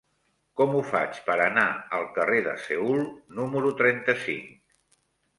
Com ho faig per anar al carrer de Seül número trenta-cinc?